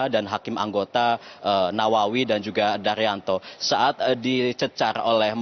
dan hakim anggota nawawansyah